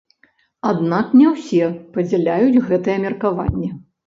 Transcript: Аднак не ўсе падзяляюць гэтае меркаванне.